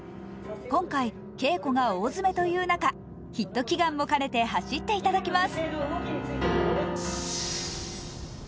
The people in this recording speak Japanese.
今回、稽古が大詰めという中、ヒット祈願も兼ねて走っていただきます。